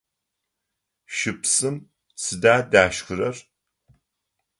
Щыпсым сыда дашхырэр?